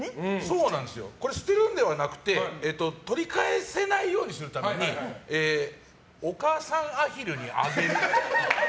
捨てるんではなくて取り返せないようにするためにお母さんアヒルにあげる。